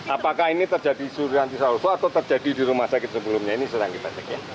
apakah ini terjadi surianti salvo atau terjadi di rumah sakit sebelumnya ini sedang kita cek ya